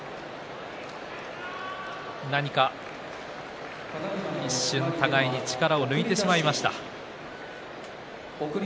何か一瞬、互いに力を抜いてしまいました。